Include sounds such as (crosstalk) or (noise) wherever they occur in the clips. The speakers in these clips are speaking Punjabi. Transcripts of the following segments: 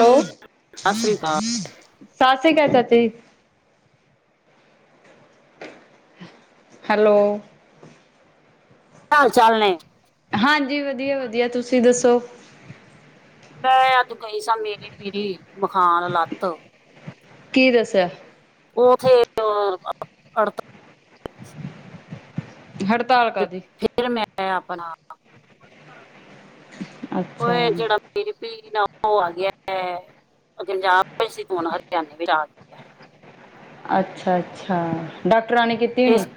ਹੈਲੋ ਸਤਿ ਸ਼੍ਰੀ ਅਕਾਲ। ਸਤਿ ਸ੍ਰੀ ਅਕਾਲ ਚਾਚਾ ਜੀ। ਹੈਲੋ। ਚਾਲ- ਚਾਲ ਨੇ? ਹਾਂਜੀ ਵਧੀਆ- ਵਧੀਆ ਤੁਸੀਂ ਦੱਸੋ? ਮੈਂ ਅੱਜ ਗਈ ਸਾਂ ਮੇਰੀ ਪੇਰੀ ਵਖਾਨ ਲੱਤ ਕੀ ਦੱਸਿਆ? ਉਥੇ ਓ ਹੜਤਾਲ ਕਾ ਦੀ? ਫੇਰ ਮੈਂ ਆਪਣਾ, ਅੱਛਾ ਉਹ ਜਿਹੜਾ ਫੇਰ ਉਹ ਆ ਗਿਆ ਐ, ਪੰਜਾਬ ਵਿੱਚ ਸੀ ਫ ਹਰਿਆਣੇ ਵਿੱਚ ਆ (unintelligible) ਅੱਛਾ- ਅੱਛਾ ਡਾਕਟਰਾਂ ਨੇ ਕਿ ਇਸ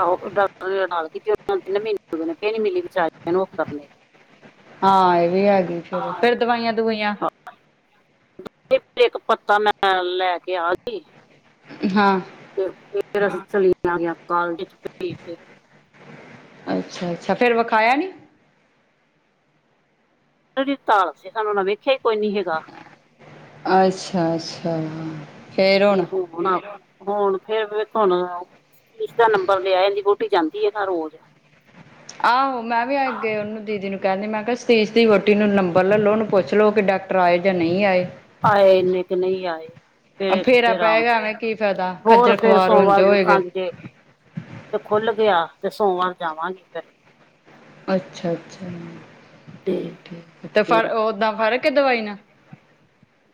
ਆਹੋ ਡਾਕਟਰ ਨੇ ਗਲ ਕੀਤੀ ਉਹ ਤਿੰਨ ਮਹੀਨੇ ਹੋ ਨੀ (unintelligible) ਮਿਲੀ ਵਿਚ ਉਹ ਕਰਨੇ ਹਾਂ ਇਹ ਵੀ ਹੈਗੀ ਫੇਰ, ਫੇਰ ਦਵਾਈਆਂ- ਦੂਵੂਈਆਂ। ਫੇਰ ਇੱਕ ਪੱਤਾ ਮੈਂ ਲੈ ਕੇ ਆ ਗੀ। ਹਾਂ। ਤੇ ਫੇਰ (unintelligible) ਅਸੀਂ ਚਲੀ ਆ ਗਿਆ ਕਾਲਜ ਚ ਭੇਜ ਤੇ ਅੱਛਾ- ਅੱਛਾ ਫੇਰ ਵਖਾਇਆ ਨੀ। ਹੜਤਾਲ (unintelligible) ਸੀ ਸਾਨੂੰ ਓਹਨੇ ਵੇਖਿਆ ਕੋਈ ਨੀ ਹੈਗਾ। ਅੱਛਾ- ਅੱਛਾ ਫੇਰ ਹੁਣ। ਹ ਹੁਣ ਫੇਰ ਵੇਖੋ ਹੁਣ ਆ- ਦੂਜਾ ਨੰਬਰ ਲਿਆ ਈ ਇਹਦੀ ਵੋਟੀ ਜਾਂਦੀ ਹੈ ਨਾ ਰੋਜ਼। ਆਹੋ ਮੈਂ ਵੀ ਅੱਗੇ ਉਹਨੂੰ ਦੀਦੀ ਨੂੰ ਕਹਿੰਦੀ ਮੈਂ ਕਿਹਾ ਸਤੀਸ਼ ਦੀ ਵੋਟੀ ਨੂੰ ਨੰਬਰ ਲੈ ਲਓ ਉਹਨੂੰ ਪੁੱਛ ਲੋਓ ਕਿ ਡਾ ਟਰਾਏ ਜਾਂ ਨਹੀਂ ਆਏ। ਆਏ ਨੇ ਕੇ ਨਹੀਂ ਆਏ। ਫਿਰ ਫੇਰਾ ਤੇਰਾਂ ਨ, ਪਏਗਾ ਐਵੇਂ ਕੀ ਫਾਇਦਾ ਹੋਰ ਖੱਜਲ ਫੇਰ ਖਵਾਰ ਉੰਝ ਸੋਮਵਾਰ ਹੋਏਗੇ ਵੇਖਾਂਗੀ ਜੇ ਤੇ ਖੁੱਲ ਗਿਆ, ਤੇ ਸੋਮਵਾਰ ਜਾਵਾਂਗੇ ਫਿਰ। ਅੱਛਾ-ਅੱਛਾ, ਤੇ ਠੀਕ-ਠੀਕ ਤੇ ਫੇਰ ਫਿਰ ਓਦਾਂ ਫਰਕ ਏ ਦਵਾਈ ਨਾਲ?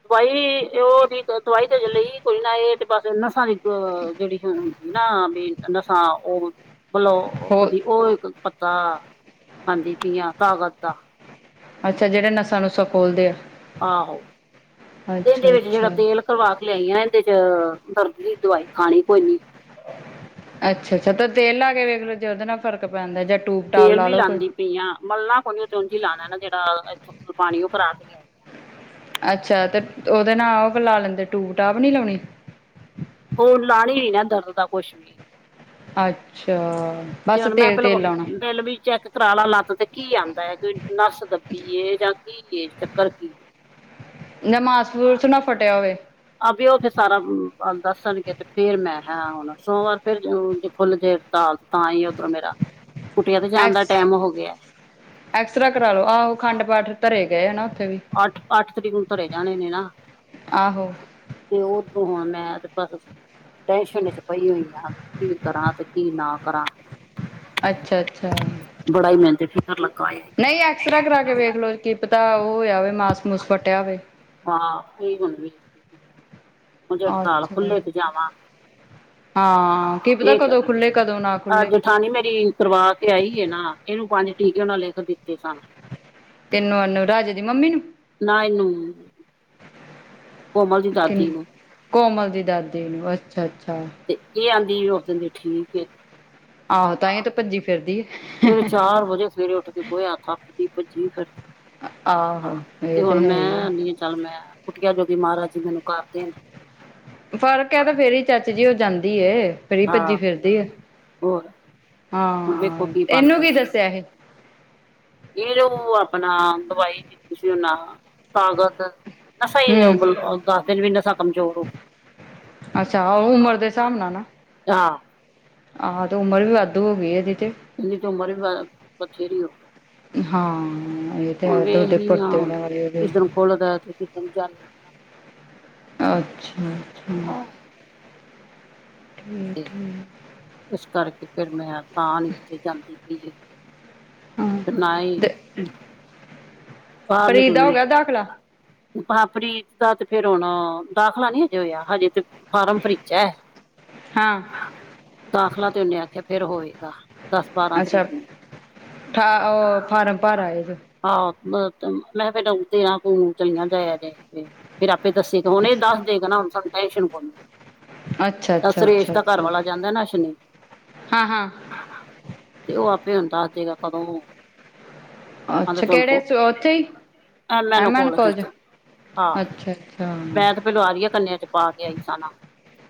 ਦਵਾਈ, ਉਹਦੀ ਦਵਾਈ ਅਜੇ ਲਈ ਕੋਈ ਨਾ, ਇਹ ਤੇ ਬਸ ਨਸਾਂ ਦੀ ਜਿਹੜੀ ਨਾ ਬੀ, ਨਸਾਂ ਉਹ‍ ਬਲੌ, ਹੋ ਉਹਦੀ ਉਹ ਇੱਕ ਪੱਤਾ ਖਾਂਦੀ ਪੀਆਂ, ਤਾਕਤ ਦਾ। ਅੱਛਾ, ਜਿਹੜੇ ਨਸਾ-ਨੁਸਾ ਖੋਲਦੇ ਆ? ਆਹੋ, ਦਿਨ ਦੇ ਵਿੱਚ ਜਿਹੜਾ ਅੱਛਾ-ਅੱਛਾ ਤੇਲ ਕਰਵਾ ਕੇ ਲਿਆਈ ਆਂ ਨਾ ਇਹਦੇ'ਚ, ਦਰਦੀ ਦੀ ਦਵਾਈ ਖਾਣੀ ਕੋਈ ਨੀ। ਅੱਛਾ-ਅੱਛਾ, ਤਾਂ ਤੇਲ ਲਾਕੇ ਵੇਖਲੋ ਜੇ ਉਹਦੇ ਨਾਲ ਫਰਕ ਪੈਂਦਾ, ਜਾਂ ਟੂਬ-ਟਾਪ ਲਾਲੋ ਕੋਈ? ਪੀਆਂ, ਮਲਣਾ ਕੋ ਨਹੀ, ਓ ਤੇ ਉੰਝ ਈ ਲਾਣਾ ਨਾ ਜਿਹੜਾ, ਇੱਥੋਂ ਪਾਣੀ ਉਹ ਕਰਾਕੇ ਲਿਆ ਅੱਛਾ, ਤੇ ਉਹਦੇ ਨਾਲ ਉਹ ਲਾ ਲੈਂਦੇ, ਟੂਬ-ਟਾਪ ਨੀ ਲਾਉਣੀ? ਉਹ ਲਾਣੀ ਨੀ ਨਾ, ਦਰਦ ਦਾ ਕੁਛ ਵੀ। ਅੱਛਾ। ਤੇ ਬਸ ਹੁਣ ਮੈਂ ਤੇਲ ਪਹਿਲੋ, ਤੇਲ ਲਾਉਣਾ ਬਿੱਲ ਵੀ ਚੈੱਕ ਕਰਾਲਾਂ ਲੱਤ ਤੇ, ਕੀ ਆਂਦਾ ਏ, ਕੋਈ ਨੱਸ ਦੱਬੀਏ ਜਾਂ ਕੀਏ, ਚੱਕਰ ਕੀ ਨਾ ਮਾਸ-ਮੂਸ ਨਾ ਫਟਿਆ ਹੋਵੇ? ਆ ਵੀ ਉਹ ਫਿਰ ਸਾਰਾ ਦੱਸਣਗੇ, ਤੇ ਫੇਰ ਮੈਂ ਹੈ ਹੁਣ ਸੋਮਵਾਰ ਫੇਰ ਖੁੱਲਜੇ ਤਾਂ‌ ਈ ਓਧਰੋਂ ਮੇਰਾ, ਕੁਟੀਆਂ ਤੇ ਜਾਣ ਦਾ ਐਕਸ ਟਾਈਮ ਹੋਗਿਆ। ਐਕਸਰਾ ਕਰਾਲੋ, ਆਹੋ ਅਖੰਡ ਪਾਠ ਧਰੇ ਗਏ ਆ ਨਾ, ਉੱਥੇ ਵੀ। ਅੱਠ, ਅੱਠ ਤਰੀਕ ਨੂੰ ਧਰੇ ਜਾਣੇ ਨੇ ਨਾ। ਆਹੋ ਤੇ ਉਥੋ ਹੁਣ ਮੈਂ, ਤੇ ਬਸ ਟੈਸ਼ਨ ਇਚ ਪਈ ਹੋਈ ਆਂ, ਵੀ ਕੀ ਕਰਾਂ ਤੇ ਕੀ ਨਾ ਕਰਾਂ। ਅੱਛਾ-ਅੱਛਾ ਬੜਾ ਈ ਮੈਨੂੰ ਤੇ, ਫਿਕਰ ਲੱਗਾ ਏ। ਨਹੀਂ ਐਕਸਰਾ ਕਰਾਕੇ ਵੇਖਲੋ, ਕਿ ਪਤਾ ਉਹ ਹੋਇਆ ਹੋਵੇ ਮਾਸ-ਮੂਸ ਫੱਟਿਆ ਹੋਵੇ। ਹਾਂ, ਇਹੀ ਹੁਣ ਵੀ ਅੱਛਾ, ਜਾਵਾਂ ਹਾਂ, ਕੀ ਪਤਾ ਕਦੋਂ ਖੁੱਲੇ ਕਦੋਂ ਨਾ ਖੁੱਲੇ। ਜਠਾਣੀ ਮੇਰੀ ਕਰਵਾਕੇ ਆਈਏ ਨਾ, ਇਹਨੂੰ ਪੰਜ ਟੀਕੇ ਉਹਨਾਂ ਲਿਖ ਦਿੱਤੇ ਸਨ। ਕਿੰਨੁ ਨਵਰਾਜ ਦੀ ਮੰਮੀ ਨੂੰ? ਨਾ ਇਹਨੂੰ, ਕੋਮਲ ਦੀ ਕਿੰਨ ਦਾਦੀ ਨੂੰ। ਕੋਮਲ ਦੀ ਦਾਦੀ ਨੂੰ, ਅੱਛਾ-ਅੱਛਾ। ਤੇ ਇਹ ਆਂਦੀ, ਓਦਣ ਦੀ ਠੀਕ ਏ। ਆਹੋ ਤਾਂਹੀ ਤਾਂ ਭੱਜੀ ਫਿਰਦੀ ਵੇਰੇ ਹੈ। ਚਾਰ ਵਜੇ ਸਵੇਰੇ ਉੱਠਕੇ ਗੋਹਿਆ ਥਪਦੀ, ਭੱਜੀ ਫਿਰ ਆਹੋ ਤੇ ਇਹ ਹੁਣ ਹੈ ਹੀ ਮੈਂ ਹੈ। ਆਨੀ ਆ ਚੱਲ ਮੈਂ, ਕੁੱਟੀਆ ਜੋਗੀ ਮਹਾਰਾਜ ਜੀ, ਮੈਨੂੰ ਕਰ ਦੇਣ। ਫਰਕ ਐ ਤੇ ਫੇਰ ਈ ਚਾਚੀ ਜੀ, ਉਹ ਜਾਂਦੀ ਐ। ਫਿਰੀ ਭੱਜੀ ਹਾਂ ਫਿਰਦੀ ਆ, ਹੋਰ ਹੁਣ ਵੇਖੋ ਹਾਂ, ਇਹਨੂੰ ਕੀ ਬਣਦਾ ਦੱਸਿਆ ਸੀ? ਇਹ ਜੋ ਅਪਣਾ, ਦਵਾਈ ਦਿੱਤੀ ਸੀ ਉਹਨਾਂ, ਤਾਕਤ ਮਸਾ ਹੀ ਉਹ ਹੂੰ ਗੱਲ, ਦੱਸ ਦਿਨ ਵੀ ਨਾ ਅੱਛਾ, ਉਹ ਉਮਰ ਦੇ ਸ੍ਹਾਬ ਨਾਲ ਨਾ। ਹਾ। ਆਹੋ ਤੇ, ਉਮਰ ਵੀ ਵਾਧੂ ਹੋ ਗਈ ਆ, ਇਹਦੀ ਤੇ। ਇਹਦੀ ਤੇ, ਉਮਰ ਵੀ ਬਥੇਰੀ ਉਹ ਹਾਂ ਹੈ ਤੇ ਓਦੇ ਵੇਖਦੀ ਹਾਂ ਭੱਟੇ ਹੁਣ ਨਾ ਈ ਓਦੇ। ਕਿਸ ਦਿਨ ਖੁੱਲਦਾ ਤੇ ਕਿਸ ਦਿਨ ਜਾਂਦੀ ਆ ਅੱਛਾ-ਅੱਛਾ। ਤੇ ਠੀਕ-ਠੀਕ। ਇਸ ਕਰਕੇ ਫੇਰ ਮੈਂ ਤਾਂ ਨੀਂ ਨੀਚੇ ਜਾਂਦੀ ਪੀ ਸੀ। ਹਾਂ ਤੇ ਨਾ ਈ, ਤੇ ਬਾਰ ਪ੍ਰੀਤ ਦਾ ਹੋ ਨਿਕਲਣ ਗਿਆ ਦਾਖਲਾ ਪਰ ਅਪਨੀ ਪ੍ਰੀਤ ਦਾ ਤੇ ਫੇਰ ਹੋਨ ਦਾਖਲਾ ਨੀ ਹਜੇ ਹੋਇਆ, ਹਜੇ ਤੇ ਫਾਰਮ ਭਰੀਚੈ, ਹਾਂ ਦਾਖਲਾ ਤੇ ਓਨੇ ਆਖਿਆ ਫੇਰ ਹੋਏਗਾ। ਦਸ ਬਾਰਾਂ ਅੱਛਾ, ਤਰੀਕ ਨੂੰ ਠਾ ਓ ਫਾਰਮ ਭਰ ਆਏ ਜੋ। ਆਹੋ, ਮੈਂ ਫੇਰ ਤੇਰਾਂ ਜੂਨ ਨੂੰ ਚਲੀਆਂ ਜਾਇਆ ਜੇ। ਫੇਰ ਆਪੇ ਦੱਸੇਗਾ ਹੁਨੇ, ਦੱਸ ਦੇਗਾ ਨਾ ਹੁਣ ਸਾਨੂੰ ਟੈਸ਼ਨ ਕੋਨੀ। ਅੱਛਾ ਅੱਛਾ ਸੁਰੇਸ਼ ਦਾ ਘਰਵਾਲਾ ਜਾਂਦਾ ਨਾ, ਅਸ਼ਵਨੀ। ਹਾਂ-ਹਾਂ। ਤੇ ਓ ਆਪੇ ਹੁਣ ਦੱਸ ਦੇਗਾ ਕਦੋਂ ਆਂਦਾ ਅੱਛਾ ਤੋਆਂਨੂੰ ਕਿਹੜੇ ਫੋਨ, ਸ- ਉੱਥੇ ਹੀ ਐਨੇ ਨੂੰ ਐਮ ਐਨ ਕੋਲ ਚ ਕਾਲਜ ਹਾ, ਅੱਛਾ ਅੱਛਾ ਮੈਂ ਤੇ ਫੇਰ ਆਰਯਾ ਕੰਨਿਆ ਚ ਪਾ ਕੇ ਆਈ ਸਾ ਨਾ,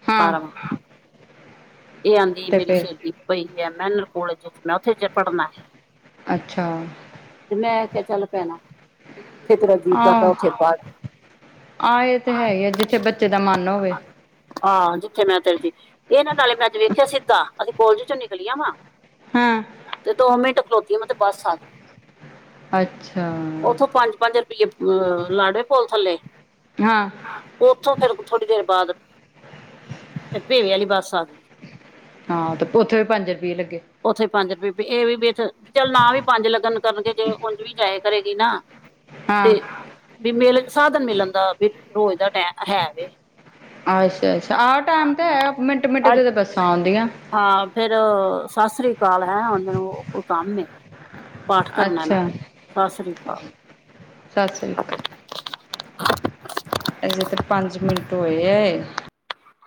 ਹਾਂ ਫਾਰਮ ਏ ਆਂਦੀ ਤੇ ਮੇਰੀ ਫਿਰ ਸੇਲੀ ਪਈ ਦੀਐ, ਮੈਂਨ ਕੋਲੇਜ ਚ ਮੈਂ ਓਥੇ ਪੜ੍ਹਨਾ। ਅੱਛਾ। ਤੇ ਮੈਂ ਕੇਆ ਚੱਲ, ਪੈਣਾ। ਜਿੱਥੇ ਤੇਰਾ ਜੀਅ ਕਰਦਾ, ਆਹ ਓਥੇ ਪੜ੍ਹ। ਆਹ ਏ ਤੇ ਹੈ ਈਏ, ਜਿੱਥੇ ਬੱਚੇ ਦਾ ਮੰਨ ਹੋਵੇ। ਹਾ, ਜਿੱਥੇ ਮੈਂ ਤੇਰਸੀ ਏਨਾਂ ਨਾਲੇ ਮੈਂ ਵੇਖਿਆ ਸਿੱਧਾ, ਅਸੀਂ ਕੋਲਜ ਚੋਂ ਨਿਕਲੀਆਂ ਵਾ ਹੁੰ। ਤੇ ਦੋ ਮਿੰਟ ਖਲੋਤੀ, ਮੈਂ ਤੇ ਬੱਸ ਆਗੀ ਅੱਛਾ ਓਥੋਂ ਪੰਜ-ਪੰਜ ਰੁ ਪੀਏ ਅ ਲਾੜੇ ਪੁਲ ਥੱਲੇ ਹਾਂ। ਓਥੋਂ ਫੇਰ ਥੋੜੀ ਦੇਰ ਬਾਦ ਭੇਵੇ ਵਾਲੀ ਬੱਸ ਆਗੀ। ਹਾਂ, ਤੇ ਓਥੇ ਵੀ ਪੰਜ ਰੁਪਈਏ ਲੱਗੇ। ਉੱਥੇ ਵੀ ਪੰਜ ਰੁਪਏ, ਬਈ ਏਵੀ ਚੱਲ ਨਾ ਵੀ ਪੰਜ ਲੱਗਣ ਕਰਨਗੇ ਜੇ ਓਝ ਵੀ ਜਾਇਆ ਕਰੇਗੀ ਨਾ ਤੇ ਹਾਂ। ਵੀ ਮਿਲ ਸਾਧਨ ਮਿਲਣ ਦਾ ਵੀ ਰੋਜ਼ ਦਾ ਟੈਮ ਹੈਵੇ। ਅੱਛਾ-ਅੱਛਾ, ਆਹ ਟਾਈਮ ਤੇ ਹੈ ਮਿੰਟ-ਮਿੰਟ ਅੱਜ ਤੇ ਤੇ ਬੱਸਾਂ ਆਉਂਦੀਆਂ। ਹਾਂ, ਫੇਰ ਸਸ੍ਰੀ ਕਾਲ, ਹੈਂ ਹੁਨ ਮੈਨੂੰ ਕੋ ਕੰਮ ਏ। ਪਾਠ ਕਰਨਾ ਨਾਂ, ਸਸ੍ਰੀ ਕਾਲ। ਸਸ੍ਰੀ ਅਕਾਲ। ਹਜੇ, ਤੇ ਪੰਜ ਮਿੰਟ ਹੋਏ ਐ।